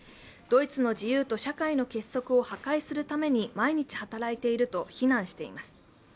ドイツの自由と社会の結束を破壊するために毎日働いていると非難しています。